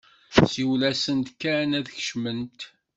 Siwel-asent kan ad d-kecment!